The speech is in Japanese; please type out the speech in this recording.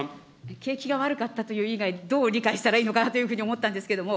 景気が悪かったという以外どう理解したらいいのかなと思ったんですけれども。